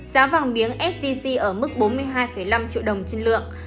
giá vàng miếng sgc ở mức bốn mươi hai năm triệu đồng trên lượng